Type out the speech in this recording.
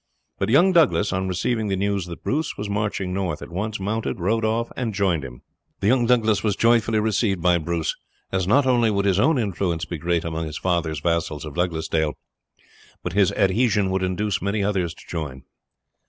The young Douglas, on receiving the news that Bruce was marching north, at once mounted, rode off, and joined him. He was joyfully received by Bruce, as not only would his own influence be great among his father's vassals of Douglasdale, but his adhesion would induce many others to join.